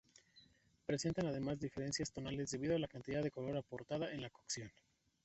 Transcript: Presentan además diferencias tonales debido a la cantidad de color aportada en la cocción.